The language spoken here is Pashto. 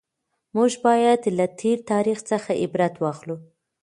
موږ باید له تېر تاریخ څخه عبرت واخلو.